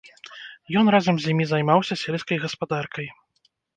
Ён разам з імі займаўся сельскай гаспадаркай.